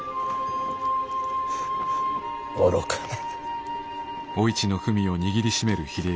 愚かな。